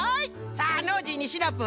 さあノージーにシナプー。